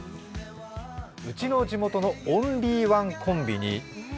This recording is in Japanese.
「ウチの地元のオンリーワンコンビニ」。